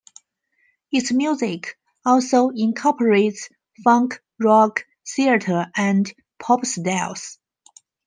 Its music also incorporates funk, rock, theatre, and pop styles.